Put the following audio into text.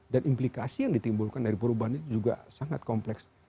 dan implikasi yang ditimbulkan dari perubahan itu juga sangat kompleks